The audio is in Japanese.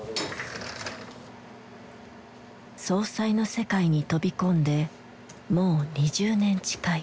葬祭の世界に飛び込んでもう２０年近い。